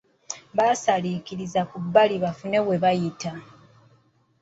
Baasalinkiriza ku bbali bafune we bayita.